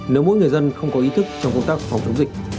nếu mỗi người dân không có ý thức trong công tác phòng chống dịch